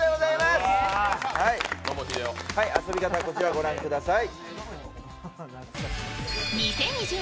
遊び方は、こちらをご覧ください。